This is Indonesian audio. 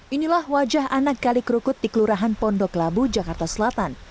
inilah wajah anak kali kerukut di kelurahan pondok labu jakarta selatan